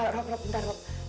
rob rob sebentar rob